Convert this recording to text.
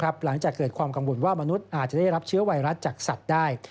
หลังจากเกิดความกังวลว่ามนุษย์อาจจะได้รับเชื้อไวรัสจากสัตว์ได้